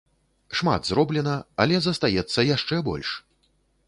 Шмат зроблена, але застаецца яшчэ больш!